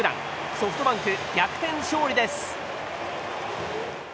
ソフトバンク、逆転勝利です。